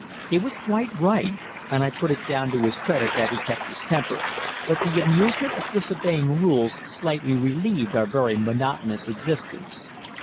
He was quite right, and I put it down to his credit that he kept his temper, but the amusement of disobeying rules slightly relieved our very monotonous existence.